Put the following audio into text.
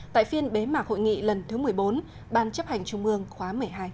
tại phiên bế mạc hội nghị lần thứ một mươi bốn ban chấp hành trung ương khóa một mươi hai